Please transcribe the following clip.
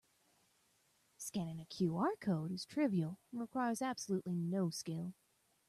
Scanning a QR code is trivial and requires absolutely no skill.